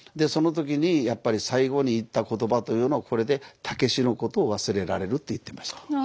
その時にやっぱり最期に言った言葉というのは「これで武のことを忘れられる」って言ってました。